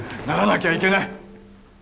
ならなきゃいけない。